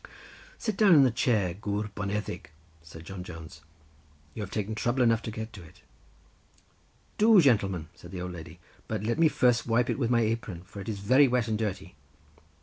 "Sit down in the chair, Gwr Boneddig," said John Jones, "you have taken trouble enough to get to it." "Do, gentleman," said the old lady; "but first let me wipe it with my apron, for it is very wet and dirty."